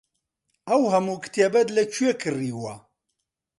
ئەو هەموو کتێبەت لەکوێ کڕیوە؟